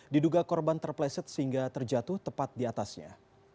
diduga korban terpleset sehingga terjatuh tepat di atasnya